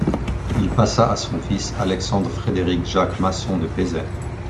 Il passa à son fils Alexandre-Frédéric-Jacques Masson de Pezay.